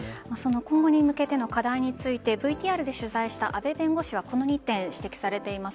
今後に向けての課題についてＶＴＲで取材した阿部弁護士はこの２点を指摘されています。